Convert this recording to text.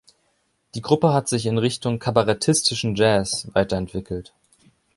Die Gruppe hat sich in Richtung "kabarettistischen Jazz" weiterentwickelt.